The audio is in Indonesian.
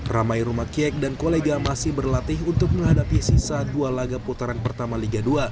ramai rumah kiek dan kolega masih berlatih untuk menghadapi sisa dua laga putaran pertama liga dua